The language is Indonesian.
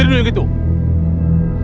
tidak ada yang bisa diberikan